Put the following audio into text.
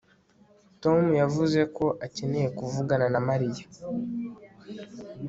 tom yavuze ko akeneye kuvugana na mariya